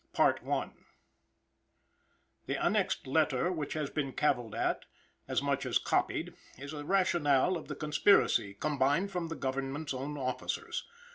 [The annexed Letter, which has been cavilled at, as much as copied, is a rationale of the Conspiracy, combined from the Government's own officers.